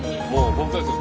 本当ですよ。